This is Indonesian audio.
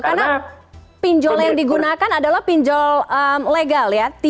karena pinjol yang digunakan adalah pinjol legal ya